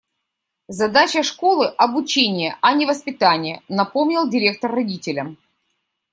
«Задача школы - обучение, а не воспитание», - напомнил директор родителям.